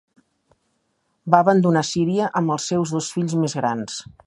Va abandonar Síria amb els seus dos fills més grans.